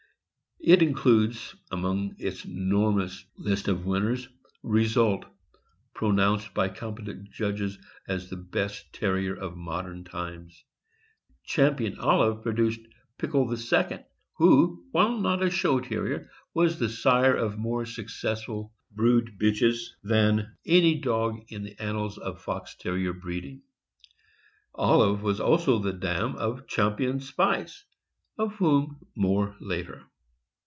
It includes among its enormous list of winners Result, pronounced by competent judges the best Terrier of modern times. Champion Olive produced Pickle II., who, while not a show Terrier, was the sire of more successful brood bitches than any dog in the annals of Fox Terrier breeding. Olive was also the dam of Champion Spice, of whom more later.